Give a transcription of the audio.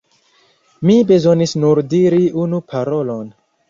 Mi bezonis nur diri unu parolon.